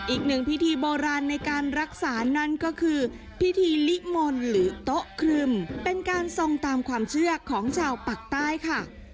อีกหนึ่งพิธีโบราณในการรักษานั่นก็คือพิธีลิมนต์หรือโต๊ะครึมเป็นการทรงตามความเชื่อของชาวปากใต้ค่ะ